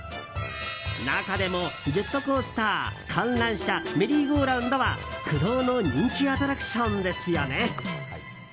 中でも、ジェットコースター観覧車、メリーゴーラウンドは不動の人気アトラクションですよね。